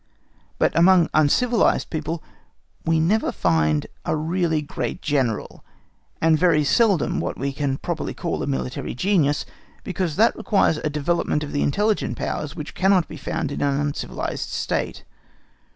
But amongst uncivilised people we never find a really great General, and very seldom what we can properly call a military genius, because that requires a development of the intelligent powers which cannot be found in an uncivilised state.